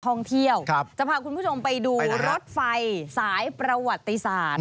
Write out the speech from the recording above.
ท่องเที่ยวจะพาคุณผู้ชมไปดูรถไฟสายประวัติศาสตร์